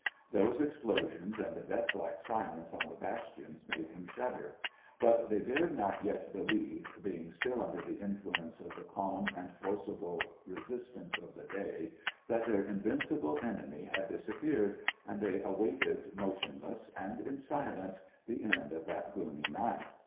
Those explosions and the death like silence on the bastions made them shudder ; but they dared not yet believe, being still under the influence of the calm and forcible resistance of the day, that their invincible enemy had disappeared, and they awaited motionless and in silence the end of that gloomy night.